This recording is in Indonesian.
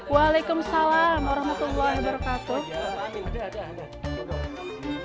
waalaikumsalam warahmatullahi wabarakatuh